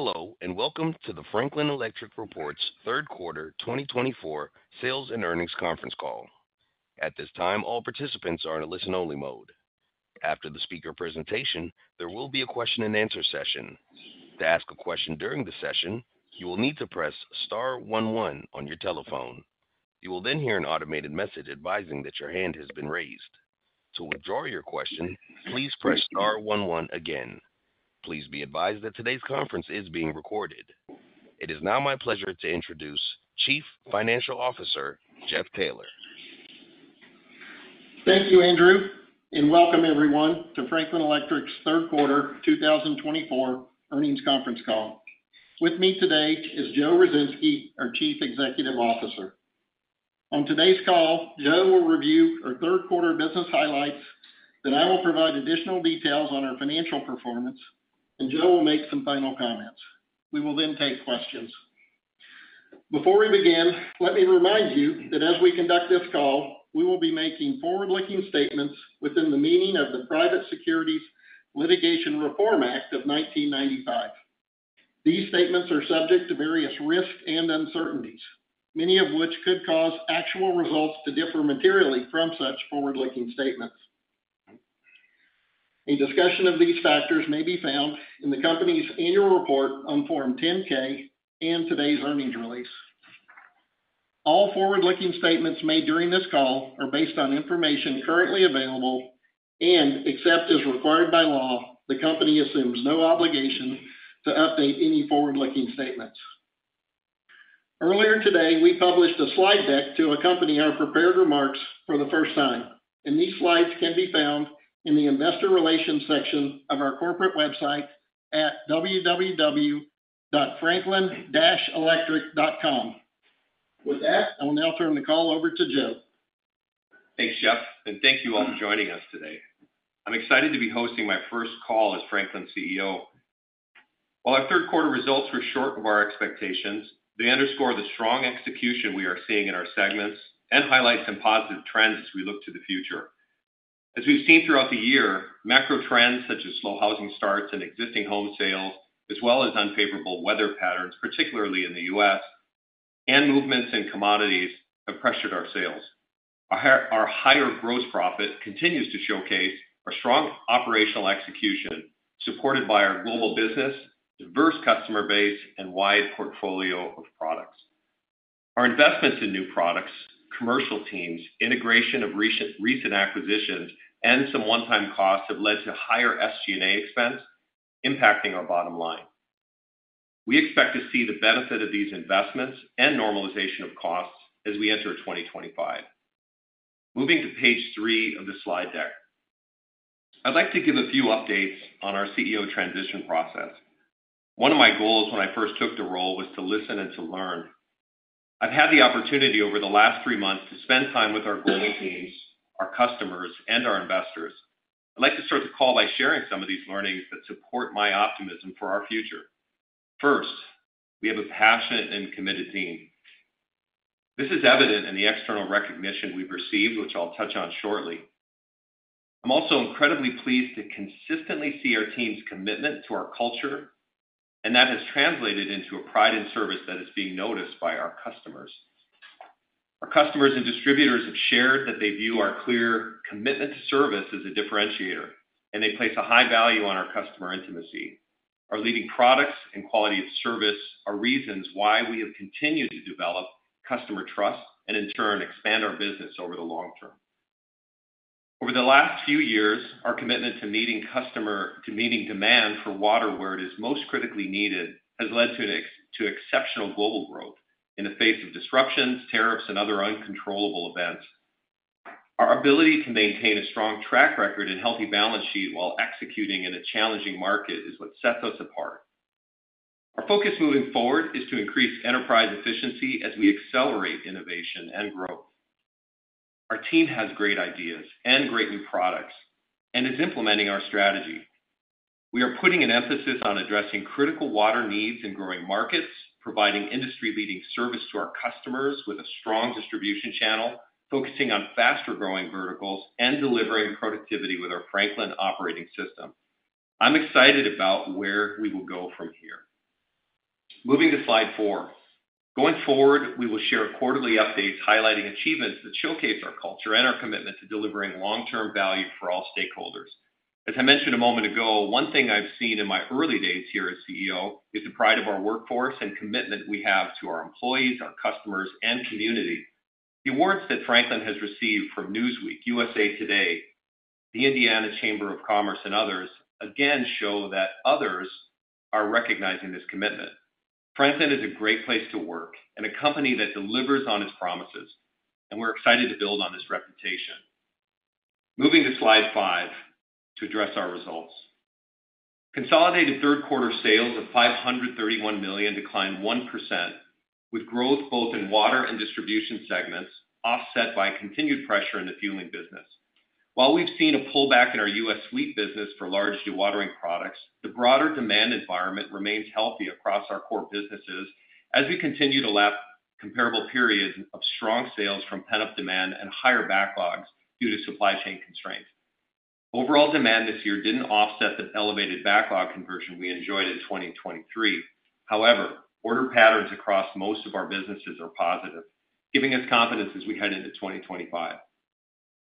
Hello, and welcome to the Franklin Electric's Report third quarter 2024 sales and earnings conference call. At this time, all participants are in a listen-only mode. After the speaker presentation, there will be a question-and-answer session. To ask a question during the session, you will need to press star one one on your telephone. You will then hear an automated message advising that your hand has been raised. To withdraw your question, please press star one one again. Please be advised that today's conference is being recorded. It is now my pleasure to introduce Chief Financial Officer Jeff Taylor. Thank you, Andrew. Welcome, everyone, to Franklin Electric's third quarter 2024 earnings conference call. With me today is Joe Ruzynski, our Chief Executive Officer. On today's call, Joe will review our third quarter business highlights. Then I will provide additional details on our financial performance, and Joe will make some final comments. We will then take questions. Before we begin, let me remind you that as we conduct this call, we will be making forward-looking statements within the meaning of the Private Securities Litigation Reform Act of 1995. These statements are subject to various risks and uncertainties, many of which could cause actual results to differ materially from such forward-looking statements. A discussion of these factors may be found in the company's annual report on Form 10-K and today's earnings release. All forward-looking statements made during this call are based on information currently available and, except as required by law, the company assumes no obligation to update any forward-looking statements. Earlier today, we published a slide deck to accompany our prepared remarks for the first time. And these slides can be found in the investor relations section of our corporate website at www.franklin-electric.com. With that, I will now turn the call over to Joe. Thanks, Jeff. And thank you all for joining us today. I'm excited to be hosting my first call as Franklin CEO. While our third quarter results were short of our expectations, they underscore the strong execution we are seeing in our segments and highlight some positive trends as we look to the future. As we've seen throughout the year, macro trends such as slow housing starts and existing home sales, as well as unfavorable weather patterns, particularly in the U.S., and movements in commodities have pressured our sales. Our higher gross profit continues to showcase our strong operational execution, supported by our global business, diverse customer base, and wide portfolio of products. Our investments in new products, commercial teams, integration of recent acquisitions, and some one-time costs have led to higher SG&A expense, impacting our bottom line. We expect to see the benefit of these investments and normalization of costs as we enter 2025. Moving to page three of the slide deck, I'd like to give a few updates on our CEO transition process. One of my goals when I first took the role was to listen and to learn. I've had the opportunity over the last three months to spend time with our global teams, our customers, and our investors. I'd like to start the call by sharing some of these learnings that support my optimism for our future. First, we have a passionate and committed team. This is evident in the external recognition we've received, which I'll touch on shortly. I'm also incredibly pleased to consistently see our team's commitment to our culture, and that has translated into a pride in service that is being noticed by our customers. Our customers and distributors have shared that they view our clear commitment to service as a differentiator, and they place a high value on our customer intimacy. Our leading products and quality of service are reasons why we have continued to develop customer trust and, in turn, expand our business over the long term. Over the last few years, our commitment to meeting customer demand for water where it is most critically needed has led to exceptional global growth in the face of disruptions, tariffs, and other uncontrollable events. Our ability to maintain a strong track record and healthy balance sheet while executing in a challenging market is what sets us apart. Our focus moving forward is to increase enterprise efficiency as we accelerate innovation and growth. Our team has great ideas and great new products and is implementing our strategy. We are putting an emphasis on addressing critical water needs in growing markets, providing industry-leading service to our customers with a strong distribution channel, focusing on faster-growing verticals, and delivering productivity with our Franklin Operating System. I'm excited about where we will go from here. Moving to slide four. Going forward, we will share quarterly updates highlighting achievements that showcase our culture and our commitment to delivering long-term value for all stakeholders. As I mentioned a moment ago, one thing I've seen in my early days here as CEO is the pride of our workforce and commitment we have to our employees, our customers, and community. The awards that Franklin has received from Newsweek, USA Today, the Indiana Chamber of Commerce, and others again show that others are recognizing this commitment. Franklin is a great place to work and a company that delivers on its promises, and we're excited to build on this reputation. Moving to slide five to address our results. Consolidated third quarter sales of $531 million declined 1%, with growth both in water and distribution segments offset by continued pressure in the fueling business. While we've seen a pullback in our U.S. fleet business for large dewatering products, the broader demand environment remains healthy across our core businesses as we continue to lap comparable periods of strong sales from pent-up demand and higher backlogs due to supply chain constraints. Overall demand this year didn't offset the elevated backlog conversion we enjoyed in 2023. However, order patterns across most of our businesses are positive, giving us confidence as we head into 2025.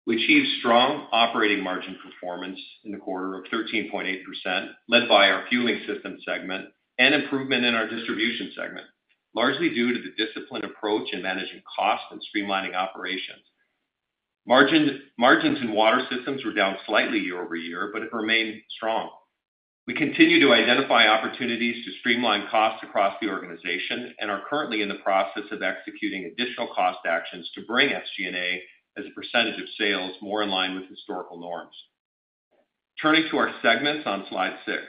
We achieved strong operating margin performance in the quarter of 13.8%, led by our fueling system segment and improvement in our distribution segment, largely due to the disciplined approach in managing costs and streamlining operations. Margins in water systems were down slightly year-over-year, but have remained strong. We continue to identify opportunities to streamline costs across the organization and are currently in the process of executing additional cost actions to bring SG&A as a percentage of sales more in line with historical norms. Turning to our segments on slide six,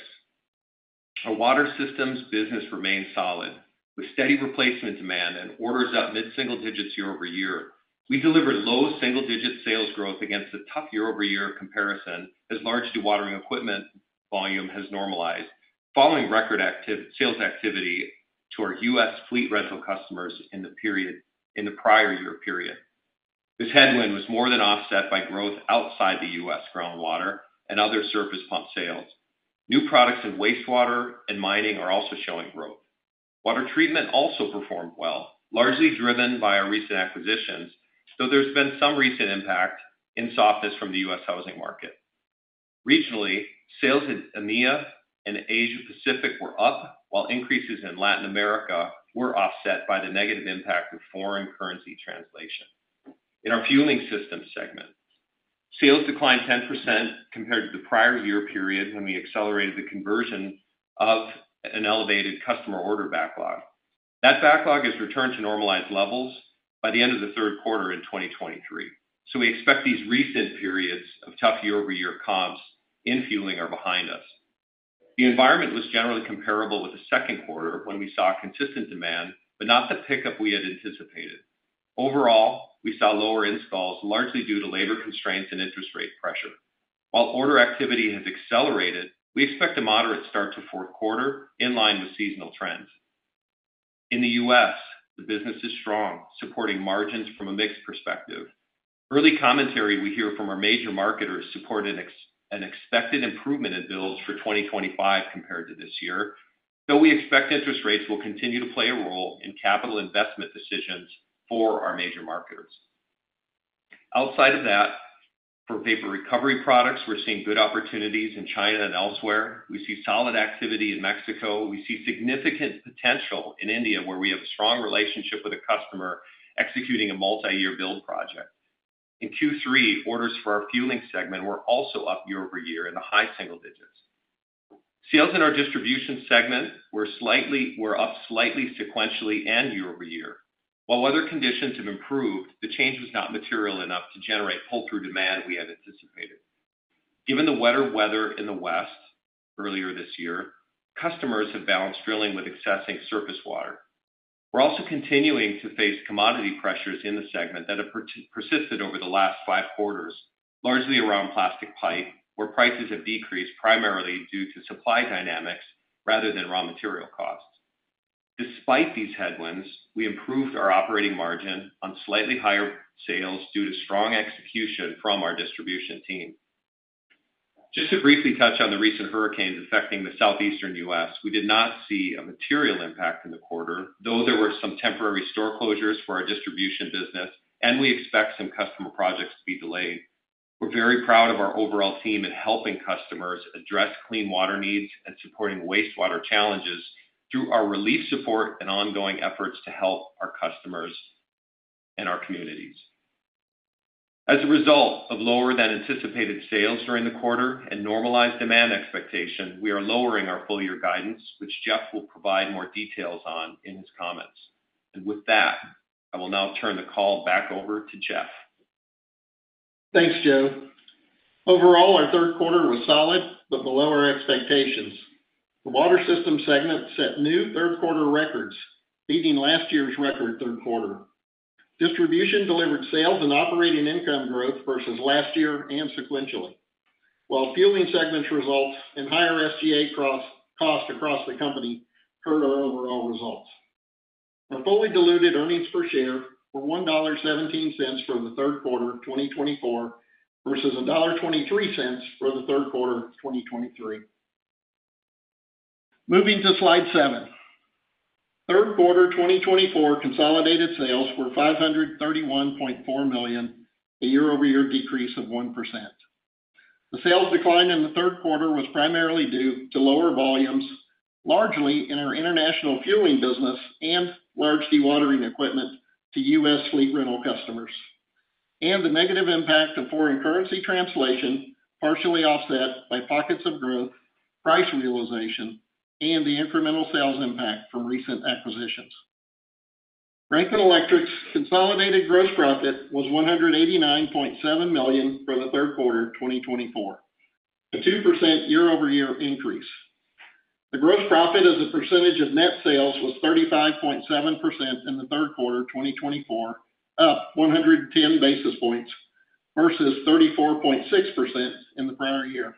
our water systems business remains solid. With steady replacement demand and orders up mid-single digits year-over-year, we delivered low single-digit sales growth against a tough year-over-year comparison as large dewatering equipment volume has normalized, following record sales activity to our U.S. fleet rental customers in the prior year period. This headwind was more than offset by growth outside the U.S. groundwater and other surface pump sales. New products in wastewater and mining are also showing growth. Water treatment also performed well, largely driven by our recent acquisitions, though there's been some recent impact in softness from the U.S. housing market. Regionally, sales in EMEA and Asia-Pacific were up, while increases in Latin America were offset by the negative impact of foreign currency translation. In our fueling systems segment, sales declined 10% compared to the prior year period when we accelerated the conversion of an elevated customer order backlog. That backlog has returned to normalized levels by the end of the third quarter in 2023, so we expect these recent periods of tough year-over-year comps in fueling are behind us. The environment was generally comparable with the second quarter when we saw consistent demand, but not the pickup we had anticipated. Overall, we saw lower installs, largely due to labor constraints and interest rate pressure. While order activity has accelerated, we expect a moderate start to fourth quarter in line with seasonal trends. In the U.S., the business is strong, supporting margins from a mixed perspective. Early commentary we hear from our major marketers supported an expected improvement in bills for 2025 compared to this year, though we expect interest rates will continue to play a role in capital investment decisions for our major marketers. Outside of that, for vapor recovery products, we're seeing good opportunities in China and elsewhere. We see solid activity in Mexico. We see significant potential in India, where we have a strong relationship with a customer executing a multi-year build project. In Q3, orders for our fueling segment were also up year-over-year in the high single digits. Sales in our distribution segment were up slightly sequentially and year-over-year. While weather conditions have improved, the change was not material enough to generate pull-through demand we had anticipated. Given the wetter weather in the West earlier this year, customers have balanced drilling with accessing surface water. We're also continuing to face commodity pressures in the segment that have persisted over the last five quarters, largely around plastic pipe, where prices have decreased primarily due to supply dynamics rather than raw material costs. Despite these headwinds, we improved our operating margin on slightly higher sales due to strong execution from our distribution team. Just to briefly touch on the recent hurricanes affecting the Southeastern U.S., we did not see a material impact in the quarter, though there were some temporary store closures for our distribution business, and we expect some customer projects to be delayed. We're very proud of our overall team in helping customers address clean water needs and supporting wastewater challenges through our relief support and ongoing efforts to help our customers and our communities. As a result of lower-than-anticipated sales during the quarter and normalized demand expectation, we are lowering our full-year guidance, which Jeff will provide more details on in his comments. And with that, I will now turn the call back over to Jeff. Thanks, Joe. Overall, our third quarter was solid, but below our expectations. The water system segment set new third-quarter records, beating last year's record third quarter. Distribution delivered sales and operating income growth versus last year and sequentially. While fueling segments results in higher SG&A cost across the company per our overall results. Our fully diluted earnings per share were $1.17 for the third quarter of 2024 versus $1.23 for the third quarter of 2023. Moving to slide seven. Third quarter 2024 consolidated sales were $531.4 million, a year-over-year decrease of 1%. The sales decline in the third quarter was primarily due to lower volumes, largely in our international fueling business and large dewatering equipment to U.S. fleet rental customers, and the negative impact of foreign currency translation, partially offset by pockets of growth, price realization, and the incremental sales impact from recent acquisitions. Franklin Electric's consolidated gross profit was $189.7 million for the third quarter of 2024, a 2% year-over-year increase. The gross profit as a percentage of net sales was 35.7% in the third quarter of 2024, up 110 basis points versus 34.6% in the prior year.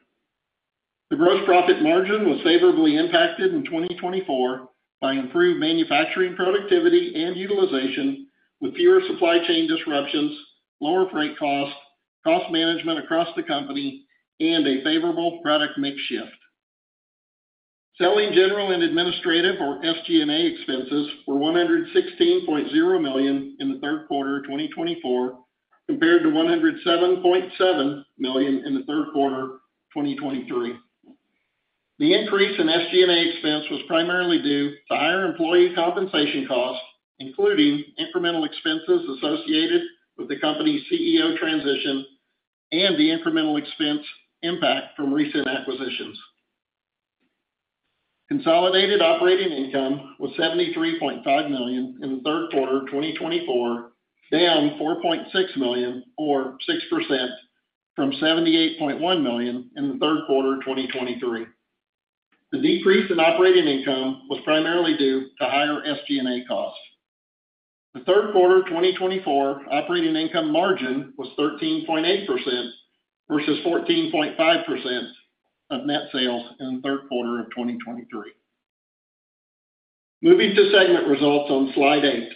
The gross profit margin was favorably impacted in 2024 by improved manufacturing productivity and utilization, with fewer supply chain disruptions, lower freight costs, cost management across the company, and a favorable product mix shift. Selling, General, and Administrative, or SG&A, expenses were $116.0 million in the third quarter of 2024 compared to $107.7 million in the third quarter of 2023. The increase in SG&A expense was primarily due to higher employee compensation costs, including incremental expenses associated with the company's CEO transition and the incremental expense impact from recent acquisitions. Consolidated operating income was $73.5 million in the third quarter of 2024, down 4.6 million, or 6%, from $78.1 million in the third quarter of 2023. The decrease in operating income was primarily due to higher SG&A costs. The third quarter of 2024 operating income margin was 13.8% versus 14.5% of net sales in the third quarter of 2023. Moving to segment results on slide eight.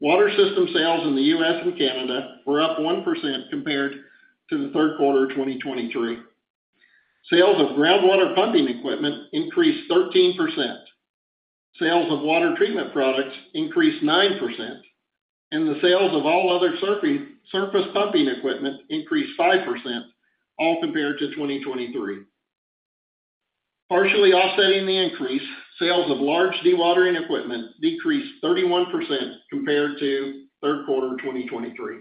Water system sales in the U.S. and Canada were up 1% compared to the third quarter of 2023. Sales of groundwater pumping equipment increased 13%. Sales of water treatment products increased 9%, and the sales of all other surface pumping equipment increased 5%, all compared to 2023. Partially offsetting the increase, sales of large dewatering equipment decreased 31% compared to third quarter of 2023.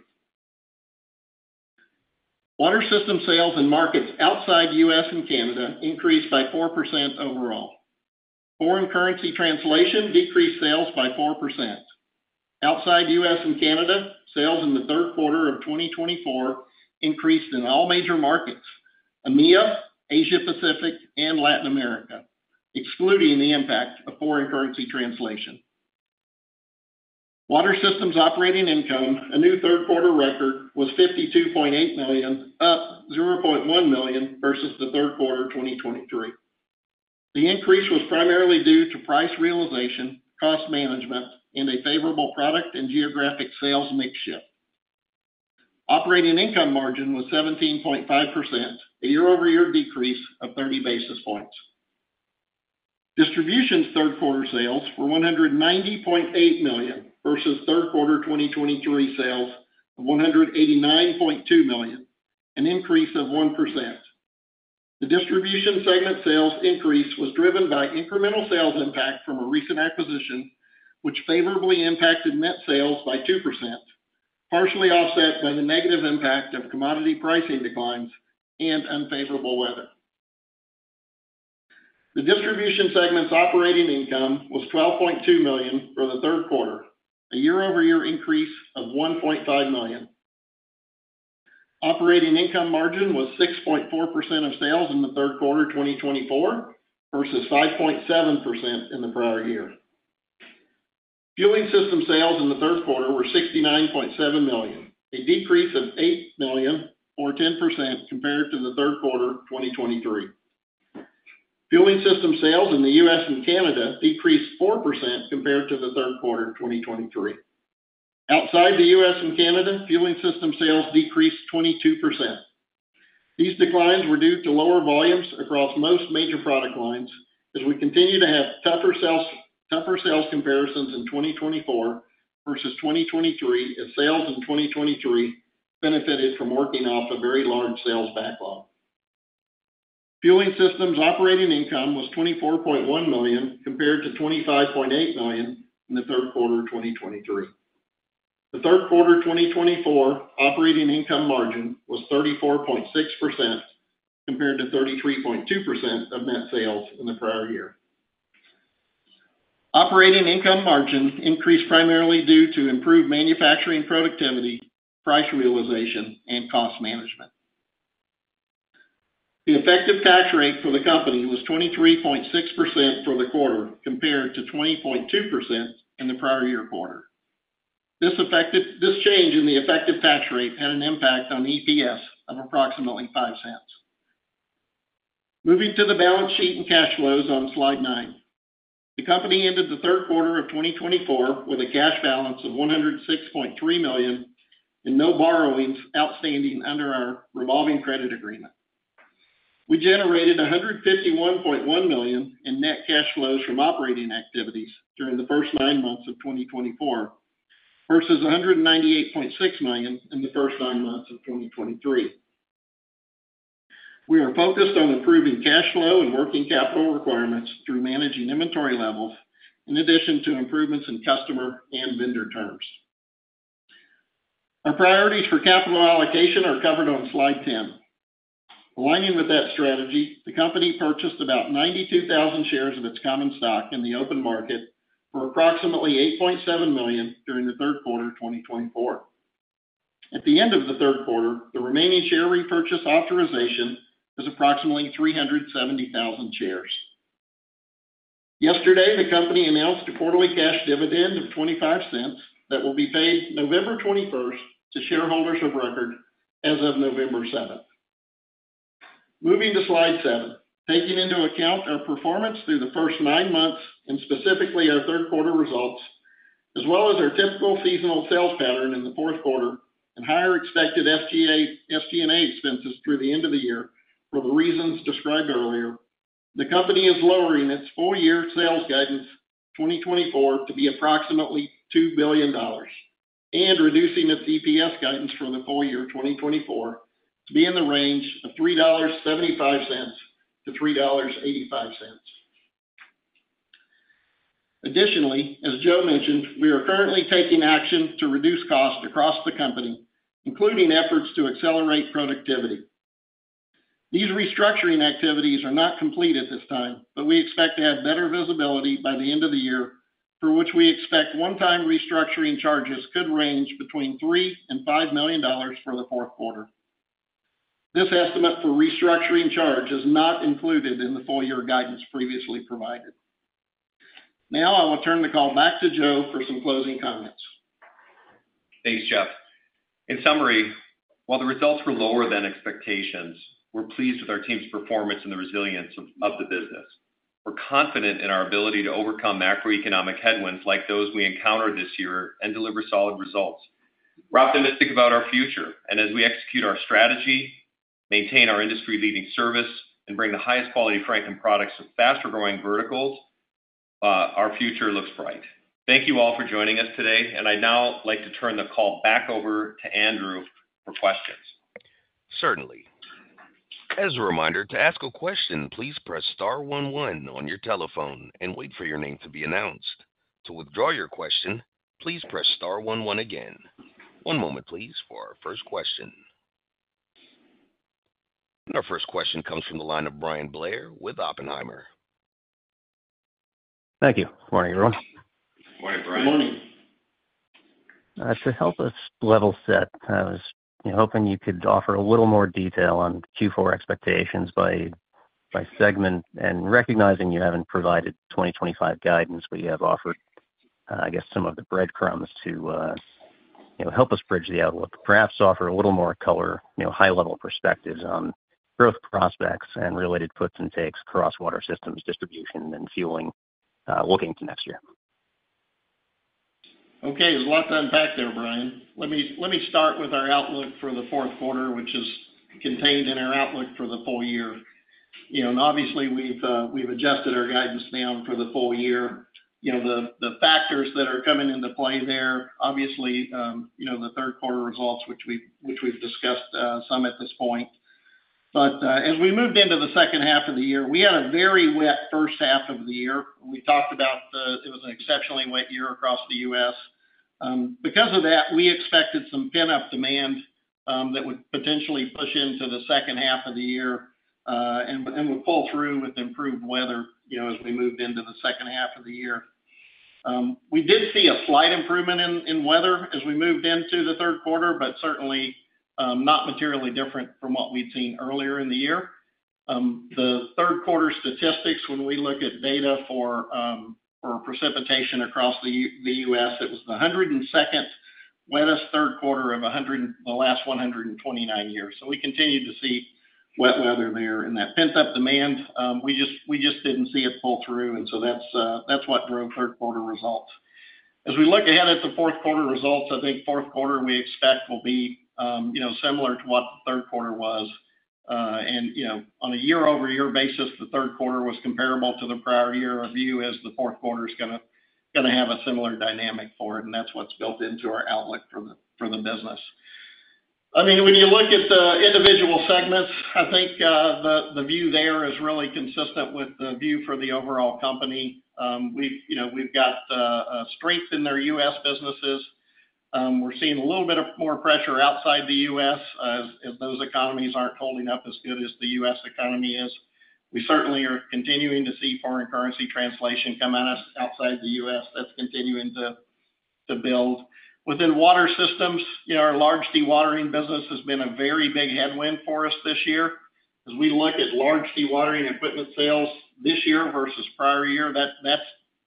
Water system sales in markets outside U.S. and Canada increased by 4% overall. Foreign currency translation decreased sales by 4%. Outside the U.S. and Canada, sales in the third quarter of 2024 increased in all major markets: EMEA, Asia-Pacific, and Latin America, excluding the impact of foreign currency translation. Water Systems operating income, a new third-quarter record, was $52.8 million, up $0.1 million versus the third quarter of 2023. The increase was primarily due to price realization, cost management, and a favorable product and geographic sales mix shift. Operating income margin was 17.5%, a year-over-year decrease of 30 basis points. Distribution's third-quarter sales were $190.8 million versus third quarter 2023 sales of $189.2 million, an increase of 1%. The distribution segment sales increase was driven by incremental sales impact from a recent acquisition, which favorably impacted net sales by 2%, partially offset by the negative impact of commodity pricing declines and unfavorable weather. The distribution segment's operating income was $12.2 million for the third quarter, a year-over-year increase of $1.5 million. Operating income margin was 6.4% of sales in the third quarter 2024 versus 5.7% in the prior year. Fueling system sales in the third quarter were $69.7 million, a decrease of $8 million, or 10%, compared to the third quarter 2023. Fueling system sales in the U.S. and Canada decreased 4% compared to the third quarter 2023. Outside the U.S. and Canada, fueling system sales decreased 22%. These declines were due to lower volumes across most major product lines, as we continue to have tougher sales comparisons in 2024 versus 2023, as sales in 2023 benefited from working off a very large sales backlog. Fueling systems operating income was $24.1 million compared to $25.8 million in the third quarter of 2023. The third quarter 2024 operating income margin was 34.6% compared to 33.2% of net sales in the prior year. Operating income margin increased primarily due to improved manufacturing productivity, price realization, and cost management. The effective tax rate for the company was 23.6% for the quarter, compared to 20.2% in the prior year quarter. This change in the effective tax rate had an impact on EPS of approximately $0.05. Moving to the balance sheet and cash flows on slide nine. The company ended the third quarter of 2024 with a cash balance of $106.3 million and no borrowings outstanding under our revolving credit agreement. We generated $151.1 million in net cash flows from operating activities during the first nine months of 2024 versus $198.6 million in the first nine months of 2023. We are focused on improving cash flow and working capital requirements through managing inventory levels, in addition to improvements in customer and vendor terms. Our priorities for capital allocation are covered on slide 10. Aligning with that strategy, the company purchased about 92,000 shares of its common stock in the open market for approximately $8.7 million during the third quarter of 2024. At the end of the third quarter, the remaining share repurchase authorization is approximately 370,000 shares. Yesterday, the company announced a quarterly cash dividend of $0.25 that will be paid November 21 to shareholders of record as of November 7. Moving to slide seven, taking into account our performance through the first nine months and specifically our third quarter results, as well as our typical seasonal sales pattern in the fourth quarter and higher expected SG&A expenses through the end of the year for the reasons described earlier, the company is lowering its full-year sales guidance 2024 to be approximately $2 billion and reducing its EPS guidance for the full year 2024 to be in the range of $3.75-$3.85. Additionally, as Joe mentioned, we are currently taking action to reduce costs across the company, including efforts to accelerate productivity. These restructuring activities are not complete at this time, but we expect to have better visibility by the end of the year, for which we expect one-time restructuring charges could range between $3 million and $5 million for the fourth quarter. This estimate for restructuring charge is not included in the full-year guidance previously provided. Now, I will turn the call back to Joe for some closing comments. Thanks, Jeff. In summary, while the results were lower than expectations, we're pleased with our team's performance and the resilience of the business. We're confident in our ability to overcome macroeconomic headwinds like those we encountered this year and deliver solid results. We're optimistic about our future, and as we execute our strategy, maintain our industry-leading service, and bring the highest quality Franklin products to faster-growing verticals, our future looks bright. Thank you all for joining us today, and I'd now like to turn the call back over to Andrew for questions. Certainly. As a reminder, to ask a question, please press star 11 on your telephone and wait for your name to be announced. To withdraw your question, please press star 11 again. One moment, please, for our first question. Our first question comes from the line of Bryan Blair with Oppenheimer. Thank you. Good morning, everyone. Good morning, Bryan. Good morning. To help us level set, I was hoping you could offer a little more detail on Q4 expectations by segment, and recognizing you haven't provided 2025 guidance, but you have offered, I guess, some of the breadcrumbs to help us bridge the outlook, perhaps offer a little more color, high-level perspectives on growth prospects and related puts and takes across water systems, distribution, and fueling looking to next year? Okay. There's a lot to unpack there, Bryan. Let me start with our outlook for the fourth quarter, which is contained in our outlook for the full year. Obviously, we've adjusted our guidance now for the full year. The factors that are coming into play there, obviously, the third quarter results, which we've discussed some at this point. But as we moved into the second half of the year, we had a very wet first half of the year. We talked about it. It was an exceptionally wet year across the U.S. Because of that, we expected some pent-up demand that would potentially push into the second half of the year and would pull through with improved weather as we moved into the second half of the year. We did see a slight improvement in weather as we moved into the third quarter, but certainly not materially different from what we'd seen earlier in the year. The third-quarter statistics, when we look at data for precipitation across the U.S., it was the 102nd wettest third quarter of the last 129 years. We continue to see wet weather there, and that pent-up demand, we just didn't see it pull through, and so that's what drove third-quarter results. As we look ahead at the fourth-quarter results, I think fourth quarter we expect will be similar to what the third quarter was. On a year-over-year basis, the third quarter was comparable to the prior year or so, as the fourth quarter is going to have a similar dynamic for it, and that's what's built into our outlook for the business. I mean, when you look at the individual segments, I think the view there is really consistent with the view for the overall company. We've got strength in their U.S. businesses. We're seeing a little bit of more pressure outside the U.S., as those economies aren't holding up as good as the U.S. economy is. We certainly are continuing to see foreign currency translation come out outside the U.S. That's continuing to build. Within water systems, our large dewatering business has been a very big headwind for us this year. As we look at large dewatering equipment sales this year versus prior year, that's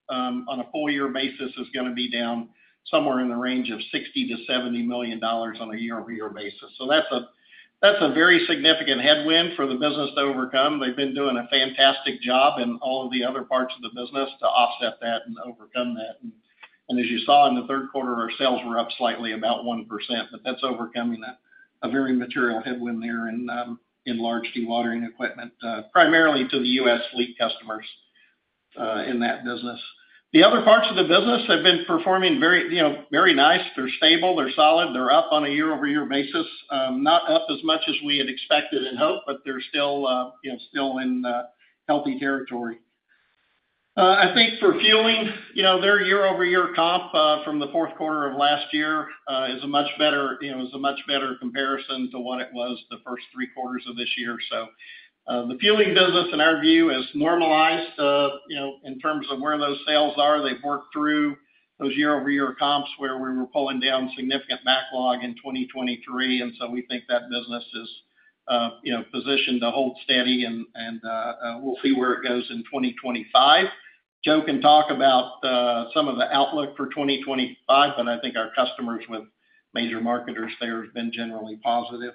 on a full-year basis is going to be down somewhere in the range of $60 million-$70 million on a year-over-year basis. So that's a very significant headwind for the business to overcome. They've been doing a fantastic job in all of the other parts of the business to offset that and overcome that. And as you saw in the third quarter, our sales were up slightly about 1%, but that's overcoming a very material headwind there in large dewatering equipment, primarily to the U.S. fleet customers in that business. The other parts of the business have been performing very nice. They're stable. They're solid. They're up on a year-over-year basis, not up as much as we had expected and hoped, but they're still in healthy territory. I think for fueling, their year-over-year comp from the fourth quarter of last year is a much better comparison to what it was the first three quarters of this year. So the fueling business, in our view, has normalized in terms of where those sales are. They've worked through those year-over-year comps where we were pulling down significant backlog in 2023, and so we think that business is positioned to hold steady, and we'll see where it goes in 2025. Joe can talk about some of the outlook for 2025, but I think our customers with major marketers there have been generally positive.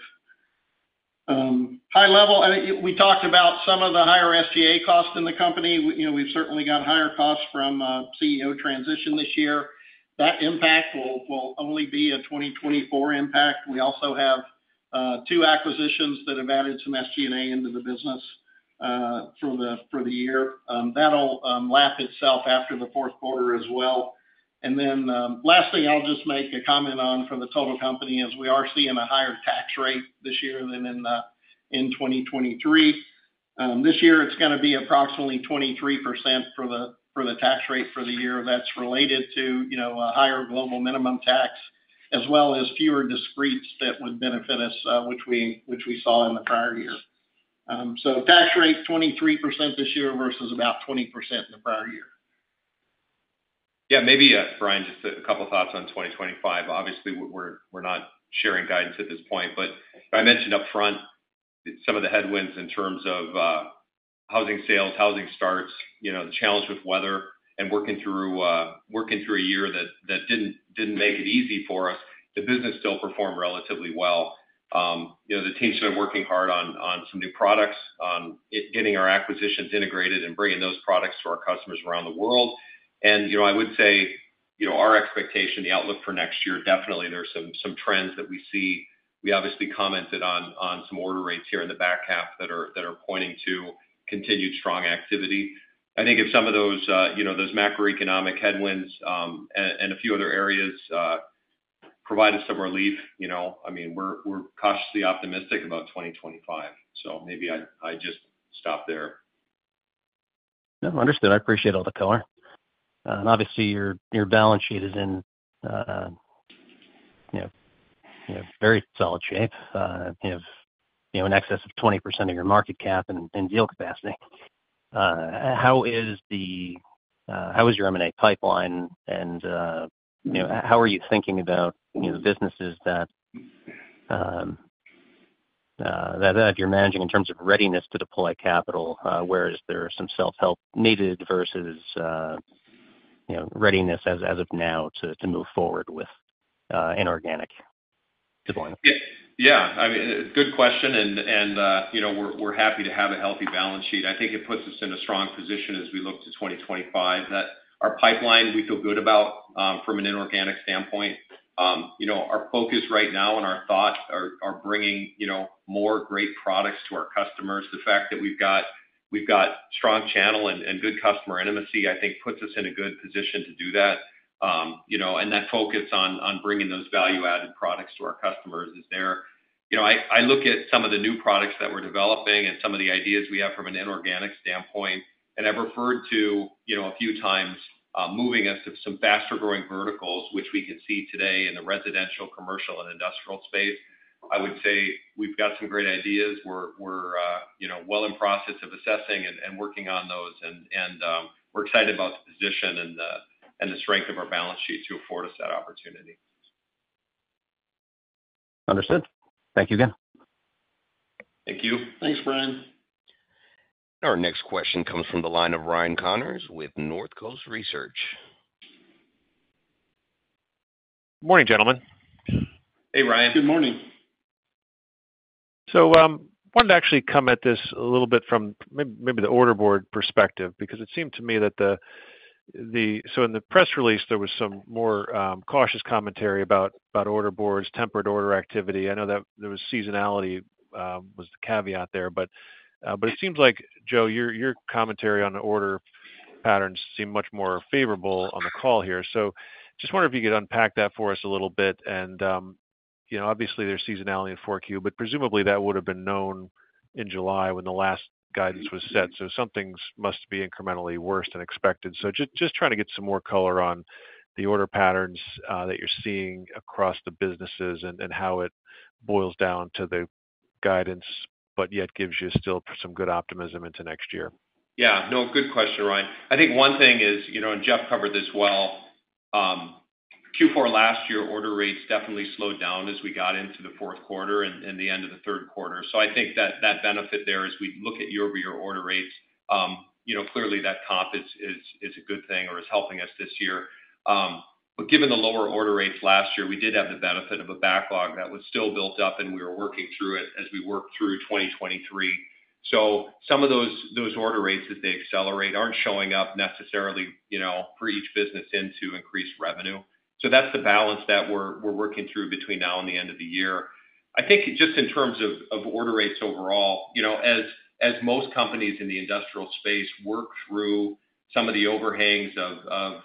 High level, we talked about some of the higher SG&A costs in the company. We've certainly got higher costs from CEO transition this year. That impact will only be a 2024 impact. We also have two acquisitions that have added some SG&A into the business for the year. That'll lap itself after the fourth quarter as well. And then lastly, I'll just make a comment on for the total company, as we are seeing a higher tax rate this year than in 2023. This year, it's going to be approximately 23% for the tax rate for the year that's related to a higher global minimum tax, as well as fewer discretes that would benefit us, which we saw in the prior year, so tax rate 23% this year versus about 20% in the prior year. Yeah. Maybe, Bryan, just a couple of thoughts on 2025. Obviously, we're not sharing guidance at this point, but I mentioned upfront some of the headwinds in terms of housing sales, housing starts, the challenge with weather, and working through a year that didn't make it easy for us. The business still performed relatively well. The team's been working hard on some new products, on getting our acquisitions integrated and bringing those products to our customers around the world. And I would say our expectation, the outlook for next year, definitely there's some trends that we see. We obviously commented on some order rates here in the back half that are pointing to continued strong activity. I think if some of those macroeconomic headwinds and a few other areas provide us some relief, I mean, we're cautiously optimistic about 2025. So maybe I just stop there. No, understood. I appreciate all the color. And obviously, your balance sheet is in very solid shape, in excess of 20% of your market cap and deal capacity. How is your M&A pipeline, and how are you thinking about businesses that you're managing in terms of readiness to deploy capital? Where is there some self-help needed versus readiness as of now to move forward with inorganic deployment? Yeah. I mean, good question, and we're happy to have a healthy balance sheet. I think it puts us in a strong position as we look to 2025 that our pipeline, we feel good about from an inorganic standpoint. Our focus right now and our thought are bringing more great products to our customers. The fact that we've got strong channel and good customer intimacy, I think, puts us in a good position to do that, and that focus on bringing those value-added products to our customers is there. I look at some of the new products that we're developing and some of the ideas we have from an inorganic standpoint, and I've referred to a few times moving us to some faster-growing verticals, which we can see today in the residential, commercial, and industrial space. I would say we've got some great ideas. We're well in process of assessing and working on those, and we're excited about the position and the strength of our balance sheet to afford us that opportunity. Understood. Thank you again. Thank you. Thanks, Bryan. Our next question comes from the line of Ryan Connors with Northcoast Research. Good morning, gentlemen. Hey, Ryan. Good morning. So I wanted to actually come at this a little bit from maybe the order board perspective because it seemed to me that the so in the press release, there was some more cautious commentary about order boards, tempered order activity. I know that there was seasonality was the caveat there, but it seems like, Joe, your commentary on the order patterns seem much more favorable on the call here. So just wonder if you could unpack that for us a little bit. And obviously, there's seasonality in for Q, but presumably that would have been known in July when the last guidance was set. So some things must be incrementally worse than expected. Just trying to get some more color on the order patterns that you're seeing across the businesses and how it boils down to the guidance, but yet gives you still some good optimism into next year. Yeah. No, good question, Ryan. I think one thing is, and Jeff covered this well, Q4 last year, order rates definitely slowed down as we got into the fourth quarter and the end of the third quarter. So I think that benefit there as we look at year-over-year order rates, clearly that comp is a good thing or is helping us this year. But given the lower order rates last year, we did have the benefit of a backlog that was still built up, and we were working through it as we worked through 2023. So some of those order rates that they accelerate aren't showing up necessarily for each business into increased revenue. So that's the balance that we're working through between now and the end of the year. I think just in terms of order rates overall, as most companies in the industrial space work through some of the overhangs of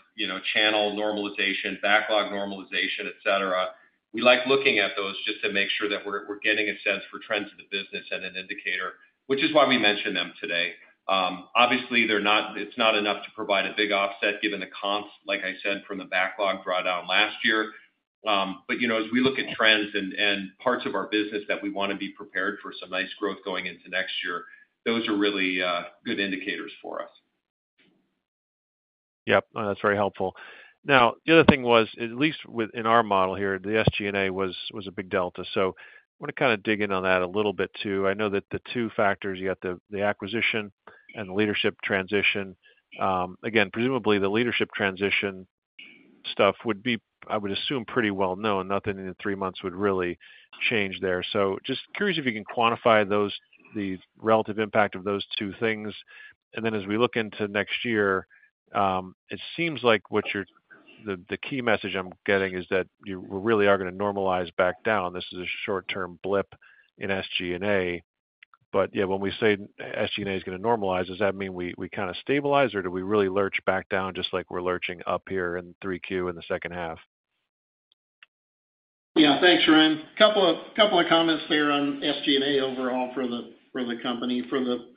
channel normalization, backlog normalization, etc., we like looking at those just to make sure that we're getting a sense for trends of the business and an indicator, which is why we mentioned them today. Obviously, it's not enough to provide a big offset given the comps, like I said, from the backlog drawdown last year, but as we look at trends and parts of our business that we want to be prepared for some nice growth going into next year, those are really good indicators for us. Yep. That's very helpful. Now, the other thing was, at least in our model here, the SG&A was a big delta. So I want to kind of dig in on that a little bit too. I know that the two factors, you got the acquisition and the leadership transition. Again, presumably the leadership transition stuff would be, I would assume, pretty well known. Nothing in three months would really change there. So just curious if you can quantify the relative impact of those two things. And then as we look into next year, it seems like the key message I'm getting is that we really are going to normalize back down. This is a short-term blip in SG&A. But yeah, when we say SG&A is going to normalize, does that mean we kind of stabilize or do we really lurch back down just like we're lurching up here in 3Q in the second half? Yeah. Thanks, Ryan. A couple of comments there on SG&A overall for the company. For the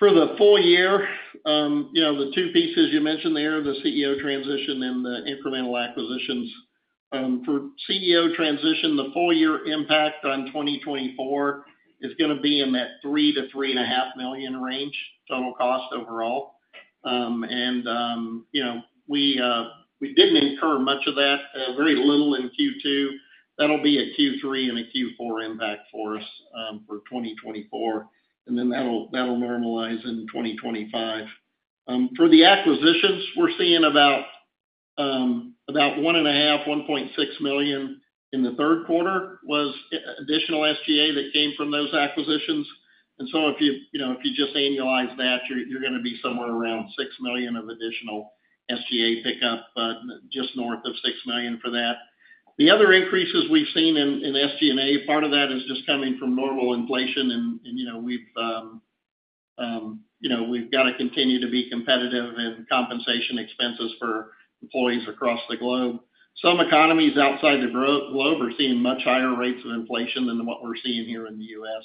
full year, the two pieces you mentioned there, the CEO transition and the incremental acquisitions. For CEO transition, the full-year impact on 2024 is going to be in that $3 million-$3.5 million range total cost overall. And we didn't incur much of that, very little in Q2. That'll be a Q3 and a Q4 impact for us for 2024, and then that'll normalize in 2025. For the acquisitions, we're seeing about $1.5 million-$1.6 million in the third quarter was additional SG&A that came from those acquisitions. And so if you just annualize that, you're going to be somewhere around $6 million of additional SG&A pickup, just north of $6 million for that. The other increases we've seen in SG&A, part of that is just coming from normal inflation, and we've got to continue to be competitive in compensation expenses for employees across the globe. Some economies outside the globe are seeing much higher rates of inflation than what we're seeing here in the U.S.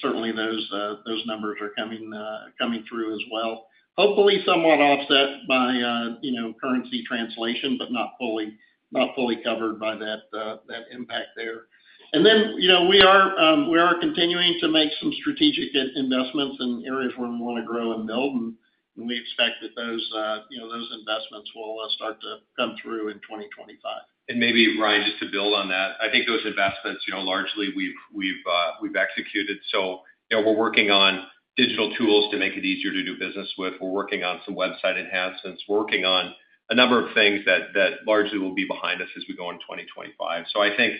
Certainly, those numbers are coming through as well. Hopefully, somewhat offset by currency translation, but not fully covered by that impact there. We are continuing to make some strategic investments in areas where we want to grow and build, and we expect that those investments will start to come through in 2025. And maybe, Ryan, just to build on that, I think those investments, largely, we've executed. So we're working on digital tools to make it easier to do business with. We're working on some website enhancements. We're working on a number of things that largely will be behind us as we go into 2025. So I think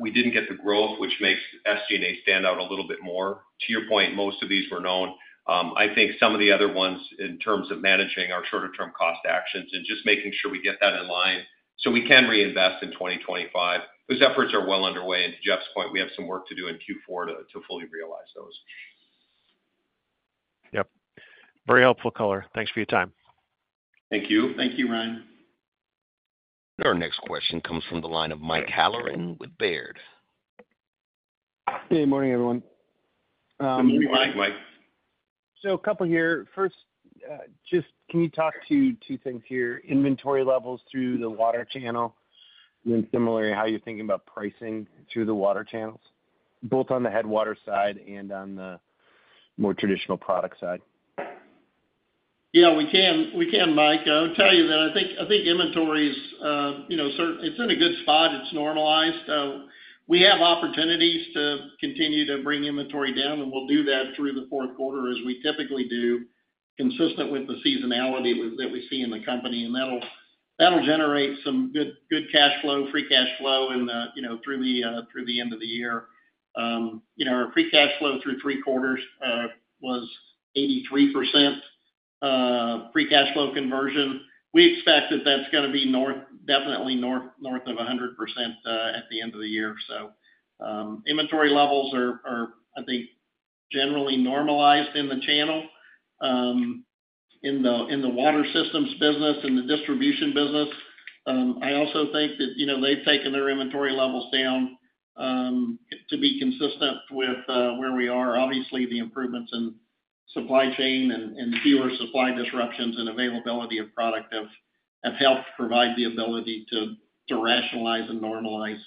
we didn't get the growth, which makes SG&A stand out a little bit more. To your point, most of these were known. I think some of the other ones in terms of managing our shorter-term cost actions and just making sure we get that in line so we can reinvest in 2025. Those efforts are well underway. And to Jeff's point, we have some work to do in Q4 to fully realize those. Yep. Very helpful color. Thanks for your time. Thank you. Thank you, Ryan. Our next question comes from the line of Mike Halloran with Baird. Good morning, everyone. Good morning, Mike. So a couple here. First, just can you talk to two things here? Inventory levels through the water channel, and then similarly, how you're thinking about pricing through the water channels, both on the headwater side and on the more traditional product side? Yeah, we can, Mike. I would tell you that I think inventory is certainly in a good spot. It's normalized. We have opportunities to continue to bring inventory down, and we'll do that through the fourth quarter as we typically do, consistent with the seasonality that we see in the company. And that'll generate some good cash flow, free cash flow through the end of the year. Our free cash flow through three quarters was 83% free cash flow conversion. We expect that that's going to be definitely north of 100% at the end of the year. So inventory levels are, I think, generally normalized in the channel, in the water systems business, in the distribution business. I also think that they've taken their inventory levels down to be consistent with where we are. Obviously, the improvements in supply chain and fewer supply disruptions and availability of product have helped provide the ability to rationalize and normalize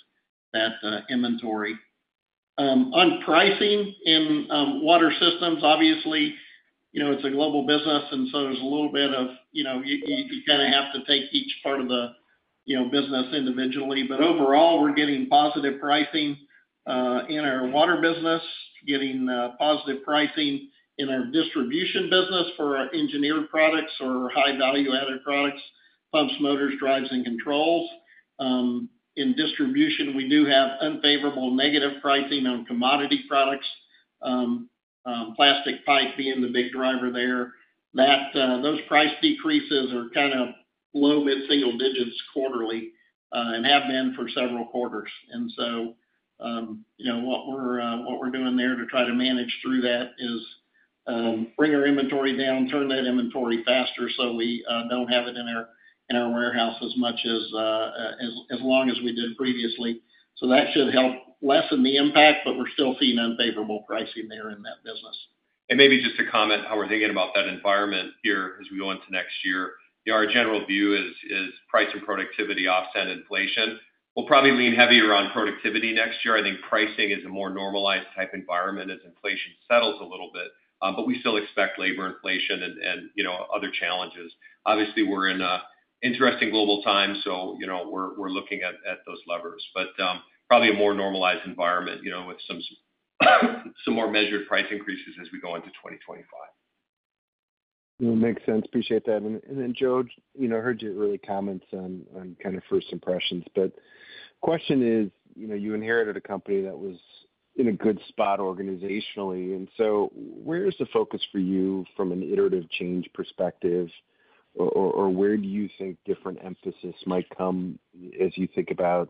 that inventory. On pricing in water systems, obviously, it's a global business, and so there's a little bit of you kind of have to take each part of the business individually. But overall, we're getting positive pricing in our water business, getting positive pricing in our distribution business for engineered products or high-value-added products, pumps, motors, drives, and controls. In distribution, we do have unfavorable negative pricing on commodity products, plastic pipe being the big driver there. Those price decreases are kind of low, mid-single digits quarterly and have been for several quarters. And so what we're doing there to try to manage through that is bring our inventory down, turn that inventory faster so we don't have it in our warehouse as long as we did previously. So that should help lessen the impact, but we're still seeing unfavorable pricing there in that business. And maybe just to comment on how we're thinking about that environment here as we go into next year, our general view is price and productivity offset inflation. We'll probably lean heavier on productivity next year. I think pricing is a more normalized type environment as inflation settles a little bit, but we still expect labor inflation and other challenges. Obviously, we're in interesting global times, so we're looking at those levers, but probably a more normalized environment with some more measured price increases as we go into 2025. Makes sense. Appreciate that. And then, Joe, I heard you really comment on kind of first impressions, but the question is, you inherited a company that was in a good spot organizationally. And so where's the focus for you from an iterative change perspective, or where do you think different emphasis might come as you think about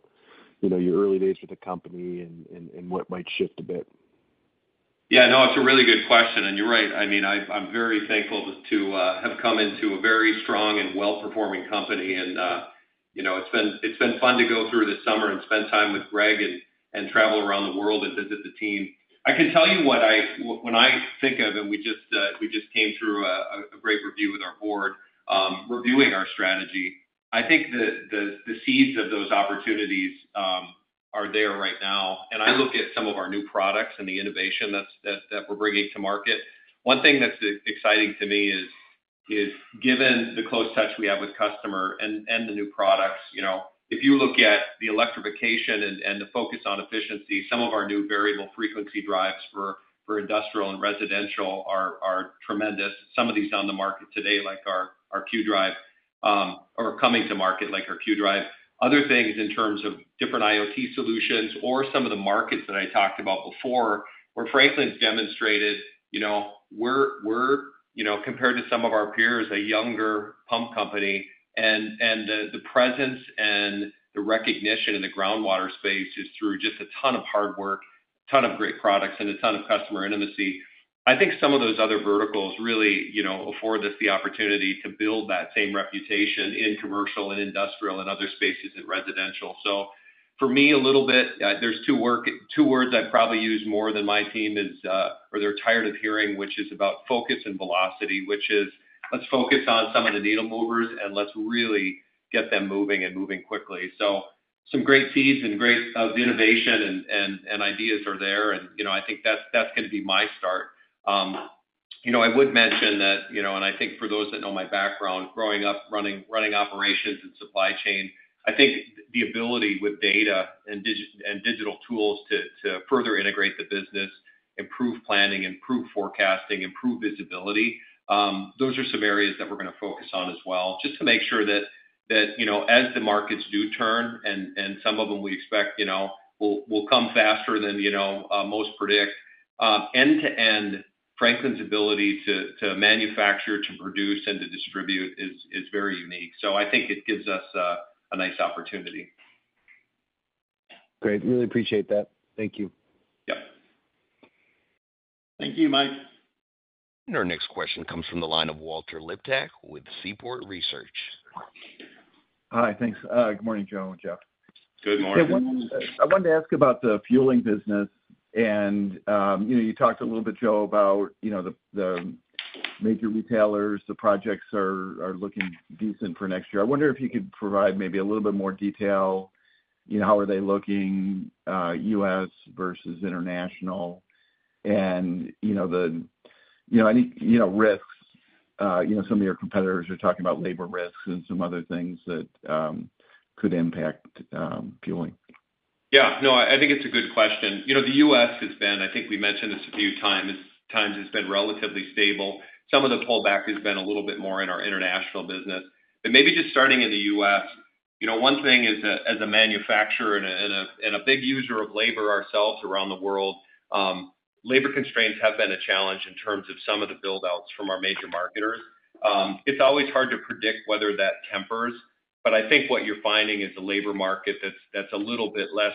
your early days with the company and what might shift a bit? Yeah. No, it's a really good question. And you're right. I mean, I'm very thankful to have come into a very strong and well-performing company. And it's been fun to go through this summer and spend time with Gregg and travel around the world and visit the team. I can tell you what I think of, and we just came through a great review with our board reviewing our strategy. I think the seeds of those opportunities are there right now. And I look at some of our new products and the innovation that we're bringing to market. One thing that's exciting to me is, given the close touch we have with customer and the new products, if you look at the electrification and the focus on efficiency, some of our new variable frequency drives for industrial and residential are tremendous. Some of these are on the market today, like our Q-Drive, or coming to market like our Q-Drive. Other things in terms of different IoT solutions or some of the markets that I talked about before, where Franklin's demonstrated, we're, compared to some of our peers, a younger pump company, and the presence and the recognition in the groundwater space is through just a ton of hard work, a ton of great products, and a ton of customer intimacy. I think some of those other verticals really afford us the opportunity to build that same reputation in commercial and industrial and other spaces and residential. So for me, a little bit, there's two words I probably use more than my team is, or they're tired of hearing, which is about focus and velocity, which is, let's focus on some of the needle movers and let's really get them moving and moving quickly. So some great seeds and great innovation and ideas are there. And I think that's going to be my start. I would mention that, and I think for those that know my background, growing up running operations and supply chain, I think the ability with data and digital tools to further integrate the business, improve planning, improve forecasting, improve visibility, those are some areas that we're going to focus on as well, just to make sure that as the markets do turn, and some of them we expect will come faster than most predict. End-to-end, Franklin's ability to manufacture, to produce, and to distribute is very unique. So I think it gives us a nice opportunity. Great. Really appreciate that. Thank you. Yep. Thank you, Mike. Our next question comes from the line of Walter Liptak with Seaport Research Partners. Hi. Thanks. Good morning, Joe and Jeff. Good morning. I wanted to ask about the fueling business. And you talked a little bit, Joe, about the major retailers. The projects are looking decent for next year. I wonder if you could provide maybe a little bit more detail. How are they looking, U.S. versus international, and the risks? Some of your competitors are talking about labor risks and some other things that could impact fueling. Yeah. No, I think it's a good question. The U.S. has been, I think we mentioned this a few times, has been relatively stable. Some of the pullback has been a little bit more in our international business. But maybe just starting in the U.S., one thing is, as a manufacturer and a big user of labor ourselves around the world, labor constraints have been a challenge in terms of some of the buildouts from our major marketers. It's always hard to predict whether that tempers, but I think what you're finding is a labor market that's a little bit less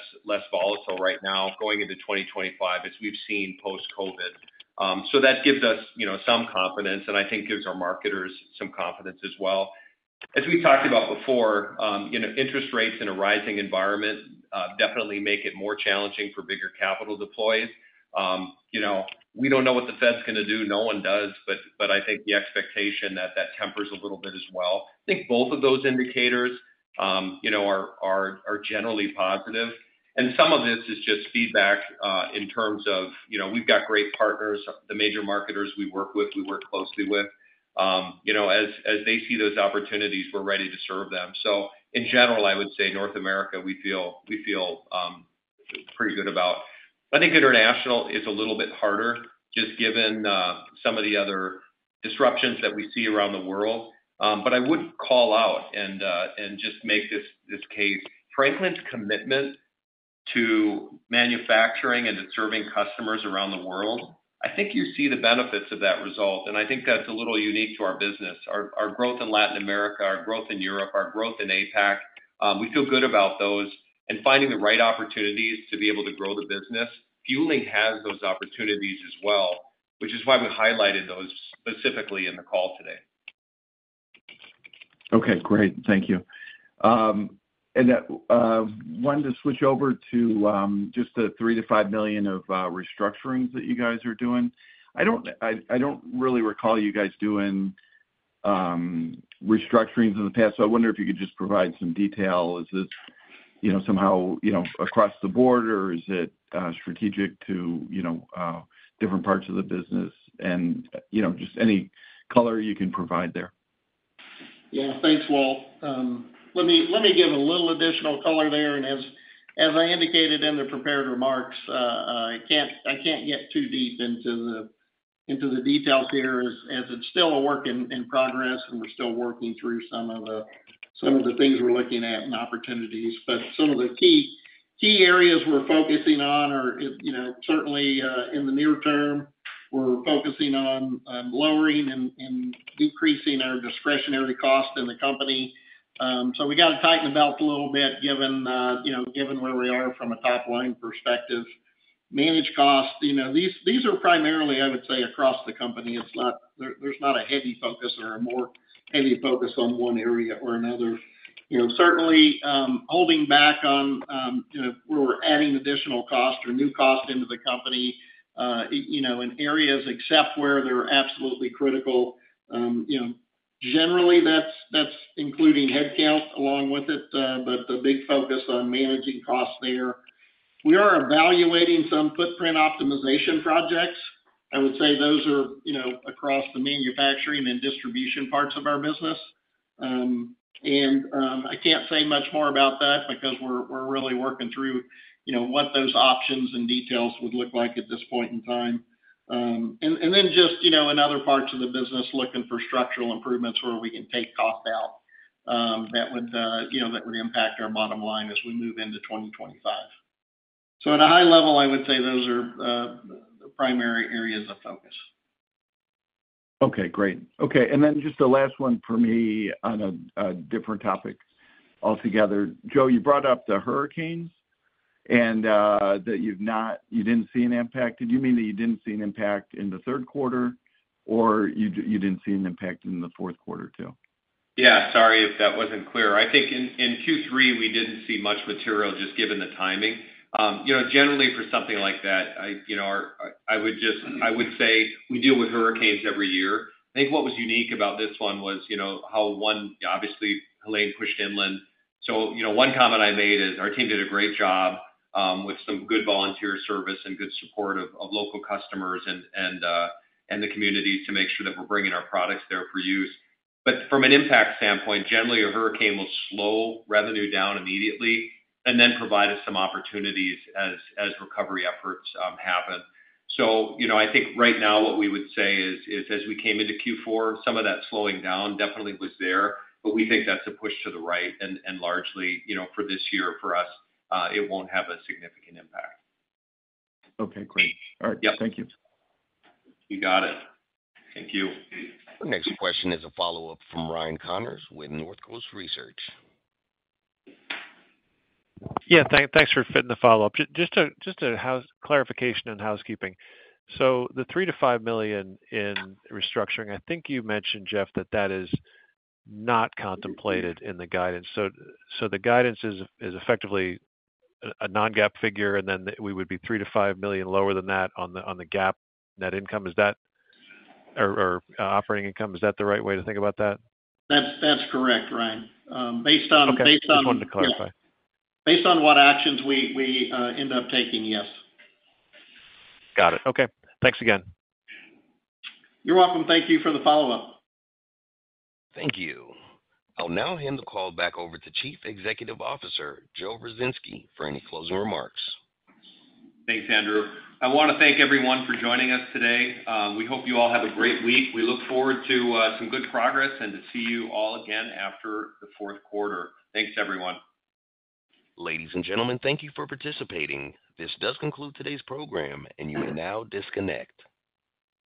volatile right now going into 2025 as we've seen post-COVID. So that gives us some confidence, and I think gives our marketers some confidence as well. As we talked about before, interest rates in a rising environment definitely make it more challenging for bigger capital deploys. We don't know what the Fed's going to do. No one does, but I think the expectation that that tempers a little bit as well. I think both of those indicators are generally positive, and some of this is just feedback in terms of we've got great partners, the major marketers we work with, we work closely with. As they see those opportunities, we're ready to serve them, so in general, I would say North America we feel pretty good about. I think international is a little bit harder just given some of the other disruptions that we see around the world, but I would call out and just make this case, Franklin's commitment to manufacturing and to serving customers around the world, I think you see the benefits of that result, and I think that's a little unique to our business. Our growth in Latin America, our growth in Europe, our growth in APAC, we feel good about those, and finding the right opportunities to be able to grow the business, fueling has those opportunities as well, which is why we highlighted those specifically in the call today. Okay. Great. Thank you. And I wanted to switch over to just the $3 million-$5 million of restructurings that you guys are doing. I don't really recall you guys doing restructurings in the past, so I wonder if you could just provide some detail. Is this somehow across the board, or is it strategic to different parts of the business? And just any color you can provide there. Yeah. Thanks, Walt. Let me give a little additional color there. And as I indicated in the prepared remarks, I can't get too deep into the details here as it's still a work in progress, and we're still working through some of the things we're looking at and opportunities. But some of the key areas we're focusing on are certainly in the near term. We're focusing on lowering and decreasing our discretionary cost in the company. So we got to tighten the belt a little bit given where we are from a top-line perspective. Managed costs, these are primarily, I would say, across the company. There's not a heavy focus or a more heavy focus on one area or another. Certainly, holding back on where we're adding additional cost or new cost into the company in areas except where they're absolutely critical. Generally, that's including headcount along with it, but the big focus on managing costs there. We are evaluating some footprint optimization projects. I would say those are across the manufacturing and distribution parts of our business. And I can't say much more about that because we're really working through what those options and details would look like at this point in time. And then just in other parts of the business, looking for structural improvements where we can take cost out that would impact our bottom line as we move into 2025. So at a high level, I would say those are the primary areas of focus. Okay. Great. Okay. And then just the last one for me on a different topic altogether. Joe, you brought up the hurricanes and that you didn't see an impact. Did you mean that you didn't see an impact in the third quarter, or you didn't see an impact in the fourth quarter too? Yeah. Sorry if that wasn't clear. I think in Q3, we didn't see much material just given the timing. Generally, for something like that, I would say we deal with hurricanes every year. I think what was unique about this one was how one, obviously, Helene pushed inland. So one comment I made is our team did a great job with some good volunteer service and good support of local customers and the communities to make sure that we're bringing our products there for use. But from an impact standpoint, generally, a hurricane will slow revenue down immediately and then provide us some opportunities as recovery efforts happen. So I think right now what we would say is, as we came into Q4, some of that slowing down definitely was there, but we think that's a push to the right. Largely, for this year, for us, it won't have a significant impact. Okay. Great. All right. Thank you. You got it. Thank you. Next question is a follow-up from Ryan Connors with Northcoast Research. Yeah. Thanks for taking the follow-up. Just a clarification on housekeeping. So the $3 million-$5 million in restructuring, I think you mentioned, Jeff, that that is not contemplated in the guidance. So the guidance is effectively a non-GAAP figure, and then we would be $3 million-$5 million lower than that on the GAAP net income. Is that or operating income? Is that the right way to think about that? That's correct, Ryan. Based on. Okay. Just wanted to clarify. Based on what actions we end up taking, yes. Got it. Okay. Thanks again. You're welcome. Thank you for the follow-up. Thank you. I'll now hand the call back over to Chief Executive Officer Joe Ruzynski for any closing remarks. Thanks, Andrew. I want to thank everyone for joining us today. We hope you all have a great week. We look forward to some good progress and to see you all again after the fourth quarter. Thanks, everyone. Ladies and gentlemen, thank you for participating. This does conclude today's program, and you may now disconnect.